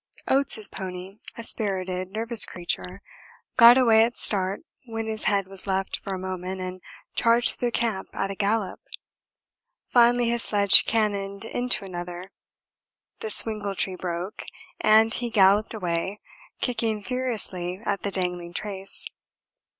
Oates' pony, a spirited, nervous creature, got away at start when his head was left for a moment and charged through the camp at a gallop; finally his sledge cannoned into another, the swingle tree broke, and he galloped away, kicking furiously at the dangling trace.